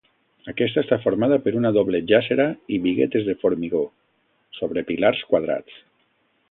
Aquesta està formada per una doble jàssera i biguetes de formigó, sobre pilars quadrats.